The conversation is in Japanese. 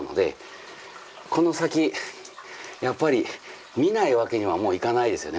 この先やっぱり見ないわけにはもういかないですよね